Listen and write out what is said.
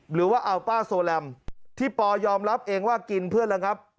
หรือว่าอัลป้าโซแรมที่ปอยอมรับเองว่ากินเพื่อนระงับ